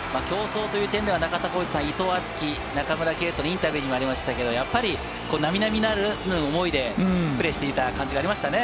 競争という点では、伊藤敦樹、中村敬斗のインタビューに生まれました、並々ならぬ思いでプレーしていた感じがありましたね。